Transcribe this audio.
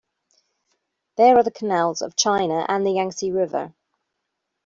There are the canals of China, and the Yang-tse River.